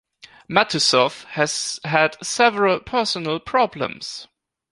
Matusow has had several personal problems.